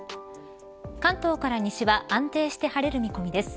関東から西は安定して晴れる見込みです。